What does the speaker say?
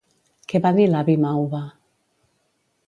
Què va dir l'avi Mauva?